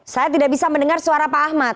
saya tidak bisa mendengar suara pak ahmad